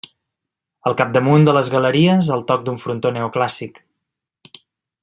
Al capdamunt de les galeries el toc d'un frontó neoclàssic.